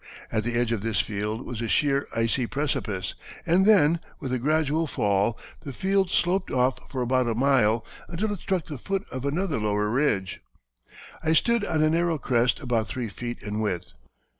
At the edge of this field was a sheer icy precipice, and then, with a gradual fall, the field sloped off for about a mile until it struck the foot of another lower ridge. I stood on a narrow crest about three feet in width.